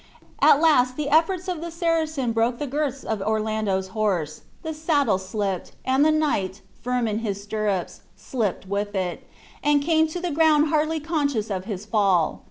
At last the efforts of the Saracen broke the girths of Orlando's horse; the saddle slipped; the knight, firm in his stirrups, slipped with it, and came to the ground hardly conscious of his fall.